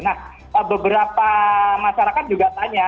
nah beberapa masyarakat juga tanya